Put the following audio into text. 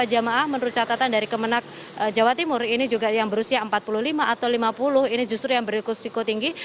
jemaah menurut catatan dari kemenang jawa timur ini juga yang berusia empat puluh lima atau lima puluh ini justru yang berisikosiko tinggi